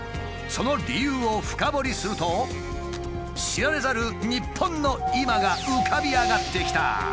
その理由を深掘りすると知られざる日本の今が浮かび上がってきた。